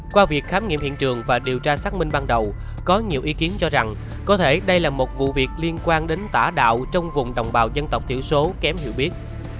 qua việc khám nghiệm hiện trường và điều tra xác minh ban đầu có nhiều ý kiến cho rằng có thể đây là một vụ việc liên quan đến tả đạo trong vùng đồng bào dân tộc thiểu số kém hiệu biết